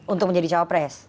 untuk menjadi cowok pres